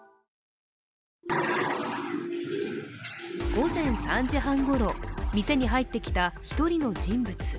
午前３時半ごろ、店に入ってきた１人の人物。